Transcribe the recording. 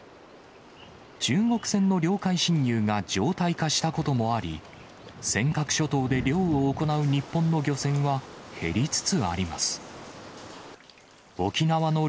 中国船の領海侵入が常態化したこともあり、尖閣諸島で漁を行う日本の漁船は、減りつつあります。